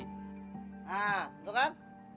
hah itu kan